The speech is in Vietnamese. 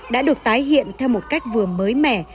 đã được tái hiện theo một cách vừa mới mẻ